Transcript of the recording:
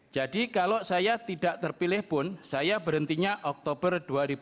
jadi kalau saya tidak terpilih pun saya berhentinya oktober dua ribu tujuh belas